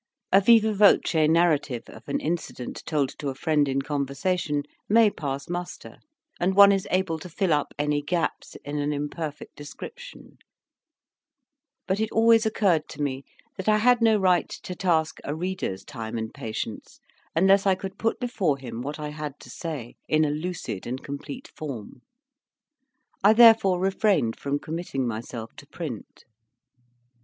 A viva voce narrative of an incident told to a friend in conversation may pass muster, and one is able to fill up any gaps in an imperfect description; but it always occurred to me that I had no right to task a reader's time and patience unless I could put before him what I had to say in a lucid and complete form; I therefore refrained from committing myself to print.